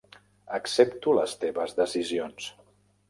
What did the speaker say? Accepto les teves decisions.